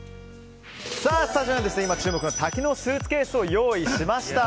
スタジオには今、注目の多機能スーツケースを用意しました。